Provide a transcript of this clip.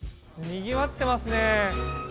にぎわっていますね。